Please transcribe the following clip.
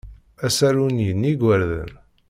Asaru-nni n yigerdan.